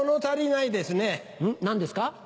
何ですか？